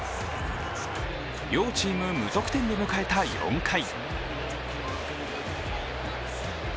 両チーム無得点で迎えた４回。